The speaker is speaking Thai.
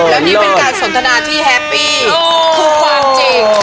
แล้วนี่เป็นการสนทนาที่แฮปปี้คือความจริง